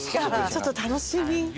ちょっと楽しみ。